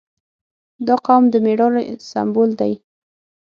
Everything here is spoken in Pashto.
• دا قوم د مېړانې سمبول دی.